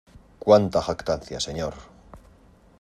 ¡ cuánta jactancia, señor!